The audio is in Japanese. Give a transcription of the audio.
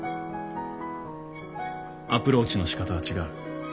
アプローチのしかたは違う。